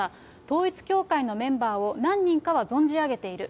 統一教会のメンバーを何人かは存じ上げている。